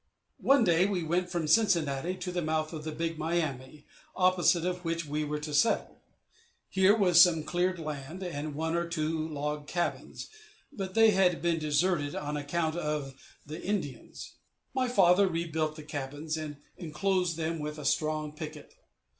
One day we went from Cincinnati to the mouth of the Big Miami, opposite which we were to settle. Here was some cleared land, and one or two log cabins, but they had been deserted on account of the Indians. My father rebuilt the cabins, and inclosed them with a strong picket.